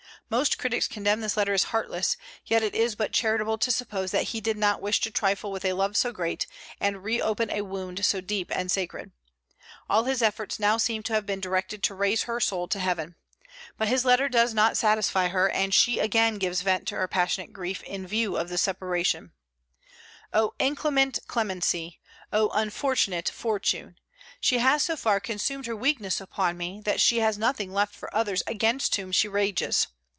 Most critics condemn this letter as heartless; yet it is but charitable to suppose that he did not wish to trifle with a love so great, and reopen a wound so deep and sacred. All his efforts now seem to have been directed to raise her soul to heaven. But his letter does not satisfy her, and she again gives vent to her passionate grief in view of the separation: "O inclement Clemency! O unfortunate Fortune! She has so far consumed her weakness upon me that she has nothing left for others against whom she rages.